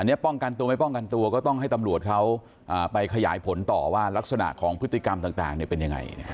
อันนี้ป้องกันตัวไม่ป้องกันตัวก็ต้องให้ตำรวจเขาไปขยายผลต่อว่ารักษณะของพฤติกรรมต่างเป็นยังไง